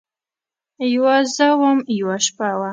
یوه زه وم، یوه شپه وه